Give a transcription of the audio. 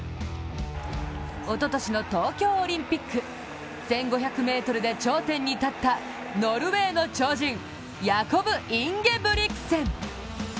おととしの東京オリンピック１５００ｍで頂点に立ったノルウェーの超人ヤコブ・インゲブリクセン。